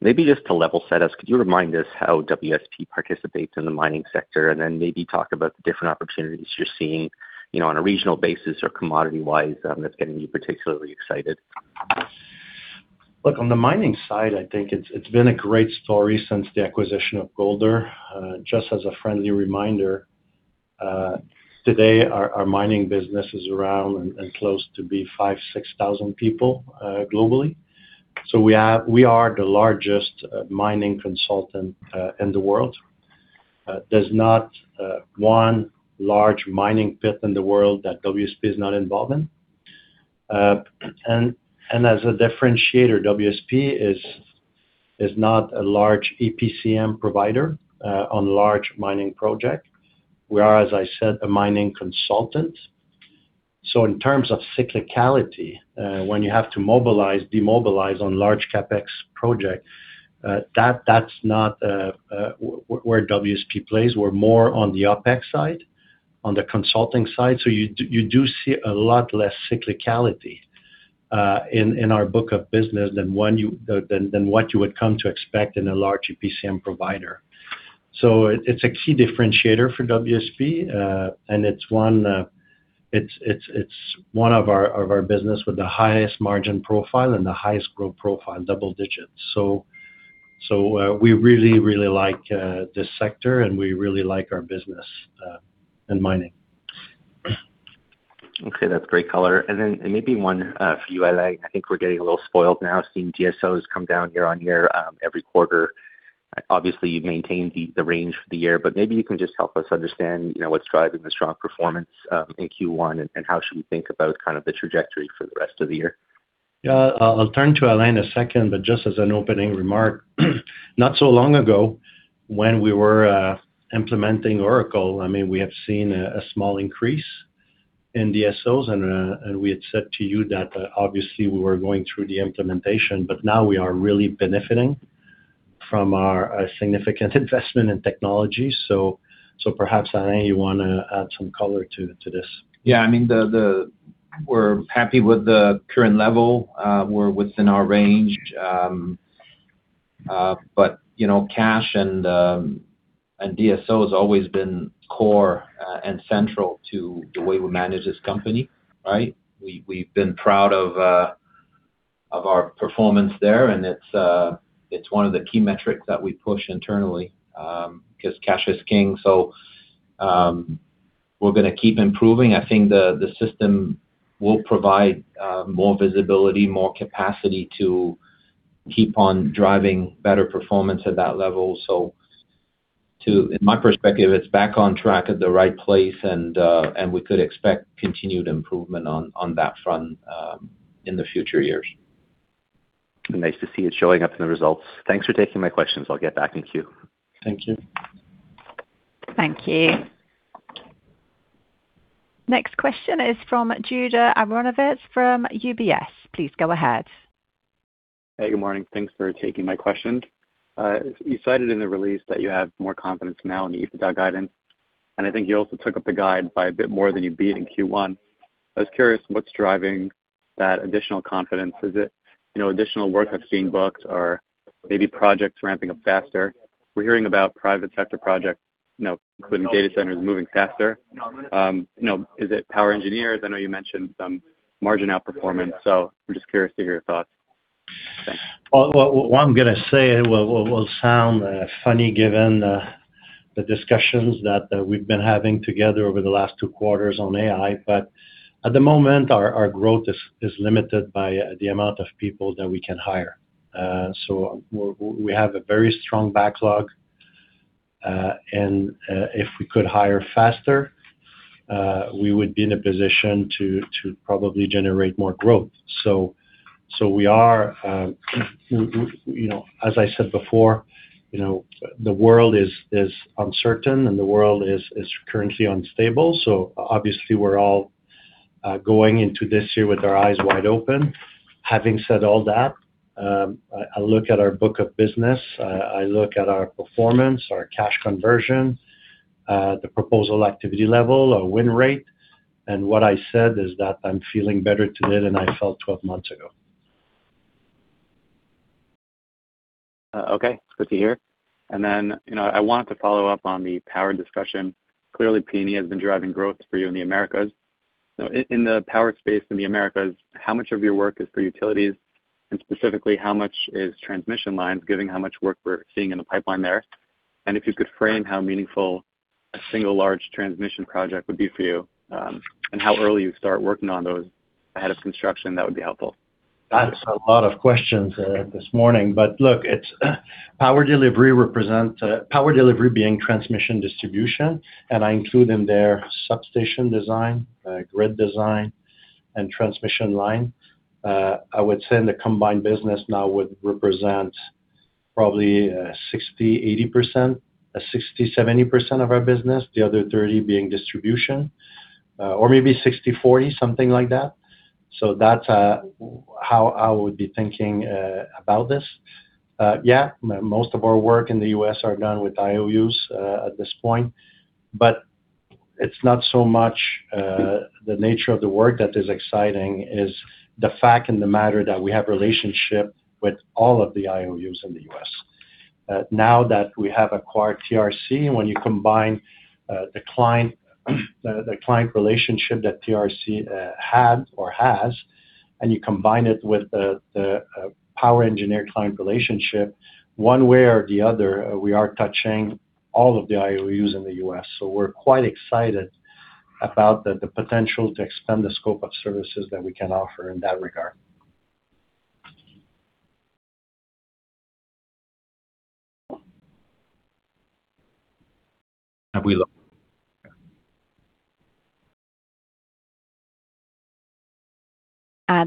Maybe just to level set us, could you remind us how WSP participates in the mining sector, and then maybe talk about the different opportunities you're seeing, you know, on a regional basis or commodity-wise, that's getting you particularly excited. On the mining side, I think it's been a great story since the acquisition of Golder. Just as a friendly reminder, today our mining business is around and close to be 5,000, 6,000 people globally. We are the largest mining consultant in the world. There's not one large mining pit in the world that WSP is not involved in. As a differentiator, WSP is not a large EPCM provider on large mining project. We are, as I said, a mining consultant. In terms of cyclicality, when you have to mobilize, demobilize on large CapEx project, that's not where WSP plays. We're more on the OpEx side, on the consulting side. You do see a lot less cyclicality in our book of business than what you would come to expect in a large EPCM provider. It's a key differentiator for WSP, and it's one of our business with the highest margin profile and the highest growth profile, double digits. We really like this sector, and we really like our business in mining. Okay. That's great color. Maybe one for you, Alain. I think we're getting a little spoiled now, seeing DSOs come down year-over-year, every quarter. Obviously, you've maintained the range for the year, but maybe you can just help us understand, you know, what's driving the strong performance in Q1, and how should we think about kind of the trajectory for the rest of the year? Yeah. I'll turn to Alain in a second, but just as an opening remark, not so long ago, when we were implementing Oracle, I mean, we have seen a small increase in DSOs, and we had said to you that obviously we were going through the implementation, but now we are really benefiting from our significant investment in technology. Perhaps, Alain, you wanna add some color to this? Yeah. I mean, the We're happy with the current level. We're within our range. you know, cash and DSO has always been core and central to the way we manage this company, right? We've been proud of our performance there, and it's one of the key metrics that we push internally, 'cause cash is king. We're gonna keep improving. I think the system will provide more visibility, more capacity to keep on driving better performance at that level. In my perspective, it's back on track at the right place and we could expect continued improvement on that front, in the future years. Nice to see it showing up in the results. Thanks for taking my questions. I'll get back in queue. Thank you. Thank you. Next question is from Judah Aronovitz from UBS. Please go ahead. Hey, good morning. Thanks for taking my question. You cited in the release that you have more confidence now in the EBITDA guidance, and I think you also took up the guide by a bit more than you beat in Q1. I was curious what's driving that additional confidence. Is it, you know, additional work that's being booked or maybe projects ramping up faster? We're hearing about private sector projects, you know, including data centers moving faster. You know, is it POWER Engineers? I know you mentioned some margin outperformance, so I'm just curious to hear your thoughts. Thanks. What I'm going to say will sound funny given the discussions that we've been having together over the last two quarters on AI, at the moment our growth is limited by the amount of people that we can hire. We have a very strong backlog, and if we could hire faster, we would be in a position to probably generate more growth. We are, you know, as I said before, you know, the world is uncertain and the world is currently unstable, obviously we're all going into this year with our eyes wide open. Having said all that, I look at our book of business, I look at our performance, our cash conversion, the proposal activity level, our win rate, and what I said is that I'm feeling better today than I felt 12 months ago. Okay. That's good to hear. You know, I wanted to follow up on the power discussion. Clearly, P&E has been driving growth for you in the Americas. In the power space in the Americas, how much of your work is for utilities? Specifically, how much is transmission lines, given how much work we're seeing in the pipeline there? If you could frame how meaningful a single large transmission project would be for you, and how early you start working on those ahead of construction, that would be helpful. That's a lot of questions this morning. Look, it's power delivery represent Power delivery being transmission distribution, and I include in there substation design, grid design and transmission line. I would say in the combined business now would represent probably 60%, 80%, 60%, 70% of our business, the other 30% being distribution, or maybe 60%-40%, something like that. That's how I would be thinking about this. Yeah, most of our work in the U.S. are done with IOUs at this point, but it's not so much the nature of the work that is exciting, is the fact and the matter that we have relationship with all of the IOUs in the U.S. Now that we have acquired TRC, when you combine the client relationship that TRC had or has, and you combine it with the POWER Engineers client relationship, one way or the other, we are touching all of the IOUs in the U.S. We're quite excited about the potential to expand the scope of services that we can offer in that regard.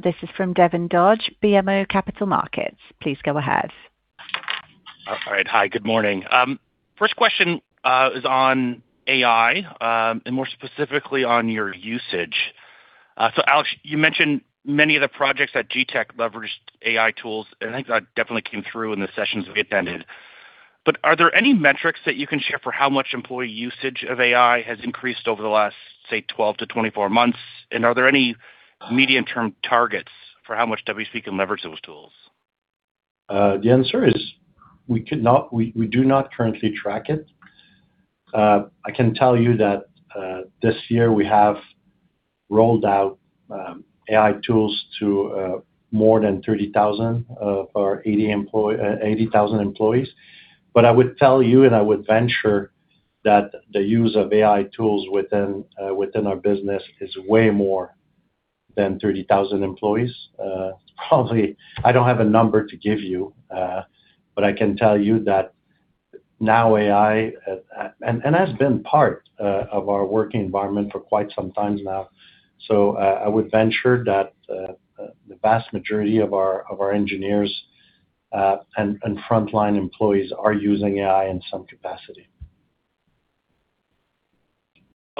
This is from Devin Dodge, BMO Capital Markets. Please go ahead. All right. Hi, good morning. First question is on AI, and more specifically on your usage. Alex, you mentioned many of the projects at GTEC leveraged AI tools, and I think that definitely came through in the sessions we attended. Are there any metrics that you can share for how much employee usage of AI has increased over the last, say, 12-24 months? Are there any medium-term targets for how much WSP can leverage those tools? The answer is we do not currently track it. I can tell you that this year we have rolled out AI tools to more than 30,000 of our 80,000 employees. I would tell you, and I would venture that the use of AI tools within our business is way more than 30,000 employees. Probably, I don't have a number to give you, but I can tell you that now AI, and that's been part of our work environment for quite some time now. I would venture that the vast majority of our, of our engineers, and frontline employees are using AI in some capacity.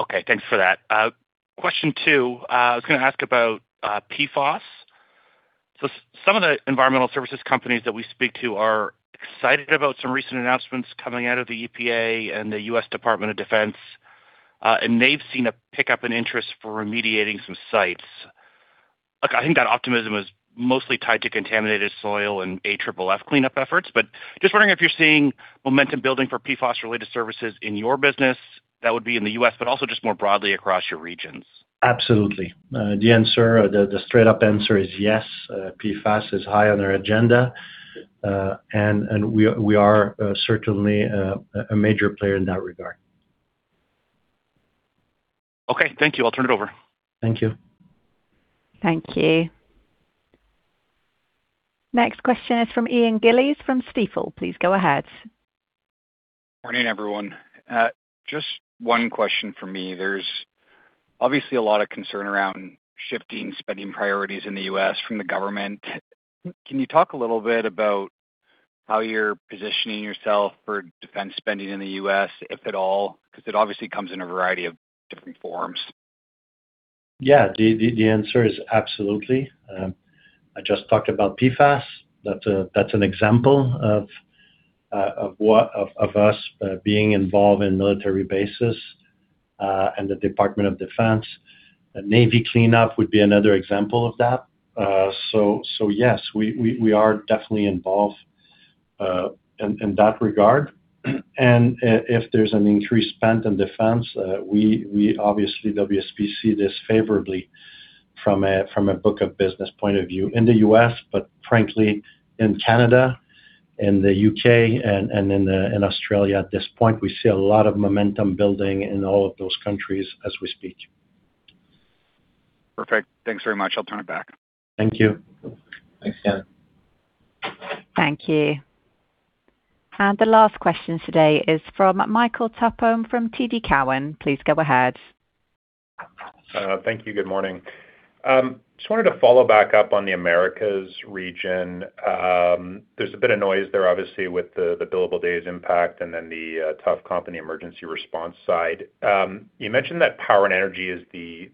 Okay. Thanks for that. Question two, I was gonna ask about PFAS. Some of the environmental services companies that we speak to are excited about some recent announcements coming out of the EPA and the U.S. Department of Defense, and they've seen a pickup in interest for remediating some sites. Look, I think that optimism is mostly tied to contaminated soil and AFFF cleanup efforts. Just wondering if you're seeing momentum building for PFAS related services in your business that would be in the U.S., but also just more broadly across your regions. Absolutely. The answer, the straight up answer is yes, PFAS is high on our agenda. We are, certainly, a major player in that regard. Okay, thank you. I'll turn it over. Thank you. Thank you. Next question is from Ian Gillies from Stifel. Please go ahead. Morning, everyone. Just one question from me. There's obviously a lot of concern around shifting spending priorities in the U.S. from the government. Can you talk a little bit about how you're positioning yourself for defense spending in the U.S., if at all? It obviously comes in a variety of different forms. The answer is absolutely. I just talked about PFAS. That's an example of being involved in military bases and the Department of Defense. Navy cleanup would be another example of that. Yes, we are definitely involved in that regard. If there's an increased spend in defense, we obviously, WSP see this favorably from a book of business point of view in the U.S., but frankly, in Canada and the U.K. and in Australia at this point, we see a lot of momentum building in all of those countries as we speak. Perfect. Thanks very much. I will turn it back. Thank you. Thanks, Ian. Thank you. The last question today is from Michael Tupholme from TD Cowen. Please go ahead. Thank you. Good morning. Just wanted to follow back up on the Americas region. There's a bit of noise there, obviously, with the billable days impact and then the tough company emergency response side. You mentioned that power and energy is the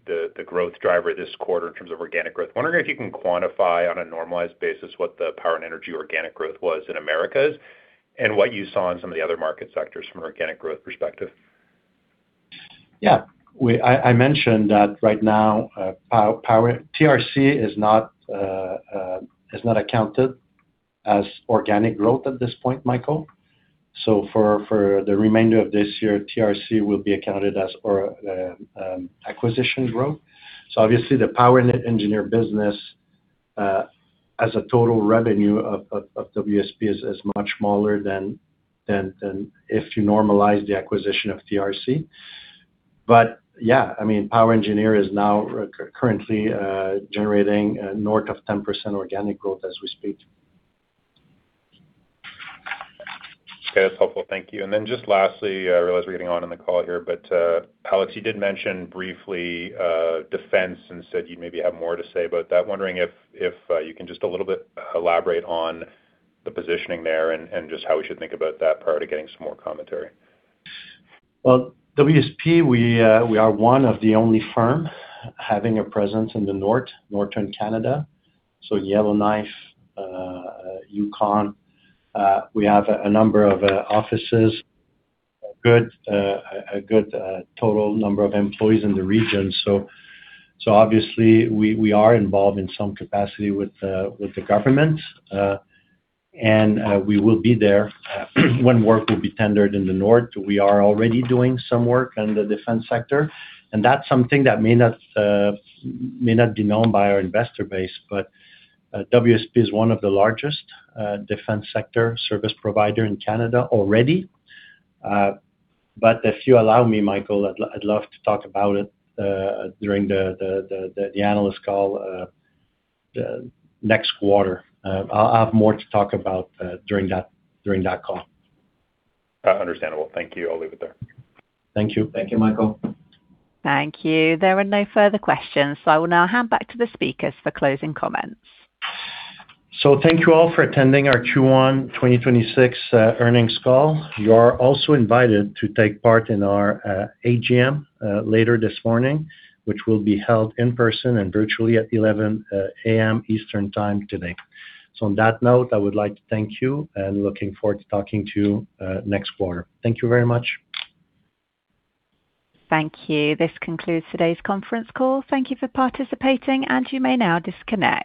growth driver this quarter in terms of organic growth. I'm wondering if you can quantify on a normalized basis what the power and energy organic growth was in Americas and what you saw in some of the other market sectors from an organic growth perspective. Yeah. I mentioned that right now, TRC is not accounted as organic growth at this point, Michael. For the remainder of this year, TRC will be accounted as acquisition growth. Obviously, the POWER Engineers business as a total revenue of WSP is much smaller than if you normalize the acquisition of TRC. Yeah, I mean, POWER Engineers is now currently generating north of 10% organic growth as we speak. Okay. That's helpful. Thank you. Lastly, I realize we're getting on in the call here, but Alex, you did mention briefly defense and said you'd maybe have more to say about that. Wondering if you can just a little bit elaborate on the positioning there and just how we should think about that prior to getting some more commentary. WSP, we are one of the only firm having a presence in the north, Northern Canada, so Yellowknife, Yukon. We have a number of offices. A good total number of employees in the region. Obviously we are involved in some capacity with the government, and we will be there when work will be tendered in the north. We are already doing some work in the defense sector, and that's something that may not be known by our investor base, but WSP is one of the largest defense sector service provider in Canada already. If you allow me, Michael, I'd love to talk about it during the analyst call the next quarter. I'll have more to talk about, during that call. Understandable. Thank you. I'll leave it there. Thank you. Thank you, Michael. Thank you. There are no further questions. I will now hand back to the speakers for closing comments. Thank you all for attending our Q1 2026 earnings call. You are also invited to take part in our AGM later this morning, which will be held in person and virtually at 11:00 A.M. Eastern Time today. On that note, I would like to thank you and looking forward to talking to you next quarter. Thank you very much. Thank you. This concludes today's conference call. Thank you for participating, and you may now disconnect.